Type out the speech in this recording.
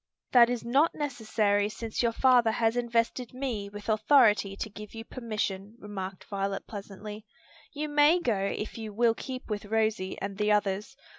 "That is not necessary since your father has invested me with authority to give you permission," remarked Violet pleasantly. "You may go if you will keep with Rosie and the others.